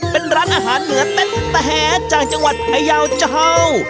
เป็นร้านอาหารเหนือเต็นแต่จากจังหวัดพยาวเจ้า